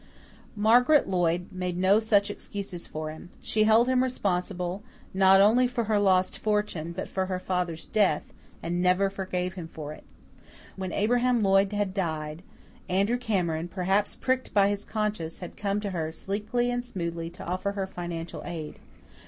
Margaret Lloyd made no such excuses for him; she held him responsible, not only for her lost fortune, but for her father's death, and never forgave him for it. When Abraham Lloyd had died, Andrew Cameron, perhaps pricked by his conscience, had come to her, sleekly and smoothly, to offer her financial aid.